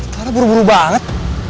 clara buru buru banget